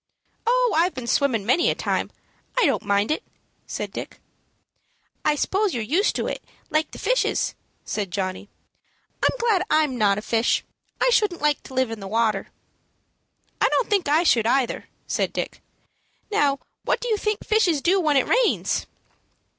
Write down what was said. "Oh, I've been in swimming many a time. I don't mind it," said Dick. "I s'pose you're used to it, like the fishes," said Johnny. "I'm glad I'm not a fish. I shouldn't like to live in the water." "I don't think I should, either," said Dick. "Now, what do you think the fishes do when it rains?"